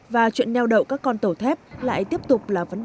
và chuyện neo đậu các con tàu thép lại tiếp tục là vấn đề